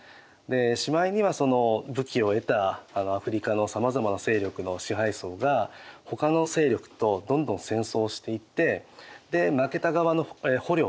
しまいにはその武器を得たアフリカのさまざまな勢力の支配層がほかの勢力とどんどん戦争をしていってで負けた側の捕虜をですね